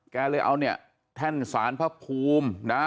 เลยเอาเนี่ยแท่นสารพระภูมินะ